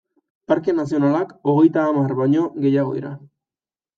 Parke nazionalak hogeita hamar baino gehiago dira.